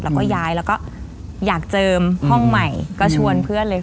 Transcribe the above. แล้วก็ย้ายแล้วก็อยากเจิมห้องใหม่ก็ชวนเพื่อนเลย